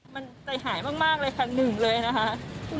มันใจหายมากเลยค่ะหนึ่งเลยนะคะ